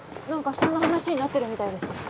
なんかそんな話になってるみたいです